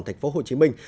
thành phố hồ chí minh